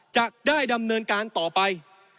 จะได้ดำเนินการต่อไป